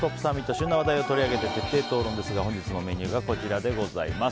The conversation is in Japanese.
旬な話題を取り上げて徹底討論ですが本日のメニューがこちらです。